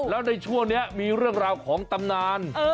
แล้วในช่วงนี้มีเรื่องราวของตำนาน